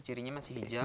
cirinya masih hijau